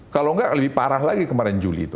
kalau nggak lebih parah lagi kemarin juli itu